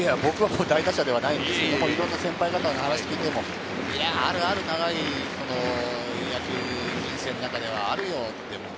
僕は大打者ではないですけど、いろんな先輩の話を聞いてもあるある、長い野球人生の中ではあるよって。